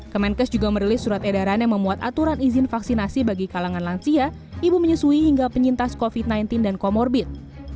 kemenkes juga merilis surat edaran yang memuat aturan izin vaksinasi bagi kalangan lansia ibu menyusui hingga penyintas covid sembilan belas dan comorbid